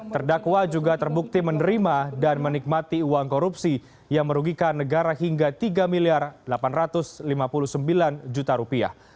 terdakwa juga terbukti menerima dan menikmati uang korupsi yang merugikan negara hingga tiga miliar delapan ratus lima puluh sembilan juta rupiah